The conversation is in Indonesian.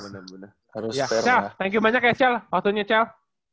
cel thank you banyak ya cel fortunya cel